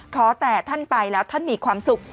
ขอแต่ท่านไปแล้วท่านมีความสุข